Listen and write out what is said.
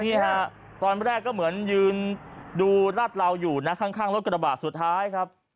นี่ฮะตอนแรกก็เหมือนยืนดูราดเหลาอยู่นะข้างรถกระบาดสุดท้ายครับ